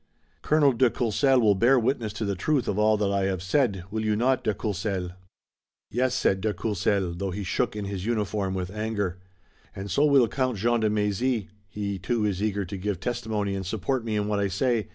Colonel de Courcelles will bear witness to the truth of all that I have said, will you not, de Courcelles?" "Yes," said de Courcelles, though he shook in his uniform with anger. "And so will Count Jean de Mézy. He too is eager to give testimony and support me in what I say.